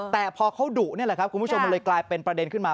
แต่พอเขาดุนี่แหละครับคุณผู้ชมมันเลยกลายเป็นประเด็นขึ้นมา